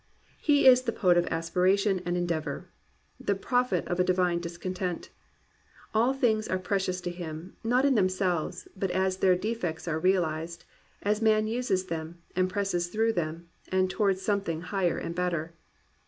He is the poet of aspiration and endeavour; the prophet of a divine discontent. All things are pre cious to him, not in themselves, but as their defects are realized, as man uses them, and presses through them, towards something higher and better.